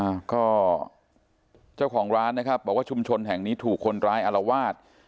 อ่าก็เจ้าของร้านนะครับบอกว่าชุมชนแห่งนี้ถูกคนร้ายอารวาส